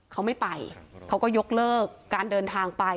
เขาไม่ไปเขาก็ยกเลิกการเดินทางไป